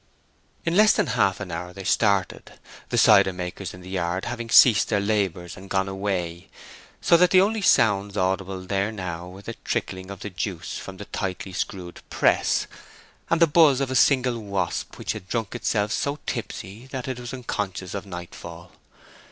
In less than half an hour they started, the cider makers in the yard having ceased their labors and gone away, so that the only sounds audible there now were the trickling of the juice from the tightly screwed press, and the buzz of a single wasp, which had drunk itself so tipsy that it was unconscious of nightfall.